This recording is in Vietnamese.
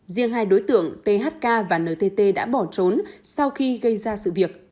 riêng hai đối tượng thk và ntt đã bỏ trốn sau khi gây ra sự việc